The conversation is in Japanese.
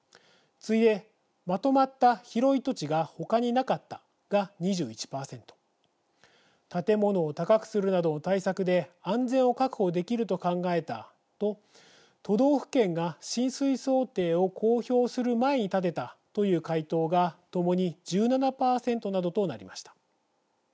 次いで「まとまった広い土地がほかになかった」が２１％「建物を高くするなどの対策で安全を確保できると考えた」と「都道府県が浸水想定を公表する前に建てた」という回答がともに１７％などとなりました。